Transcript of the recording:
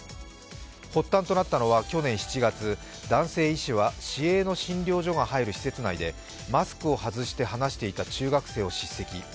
発端となったのは去年７月男性医師は市営の診療所が入る施設内でマスクを外して話していた中学生を叱責。